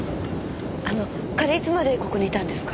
あの彼いつまでここにいたんですか？